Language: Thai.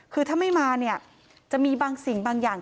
คือถ้าไม่มาเนี่ยจะมีบางสิ่งบางอย่าง